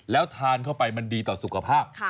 แล้วทานเข้าไปมันดีต่อสุขภาพ